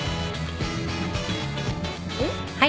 えっ？